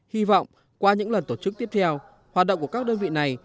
hy vọng qua những lần tổ chức tiếp theo hoạt động của các đơn vị này